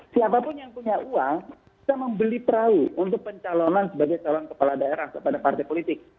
siapapun yang punya uang bisa membeli perahu untuk pencalonan sebagai calon kepala daerah kepada partai politik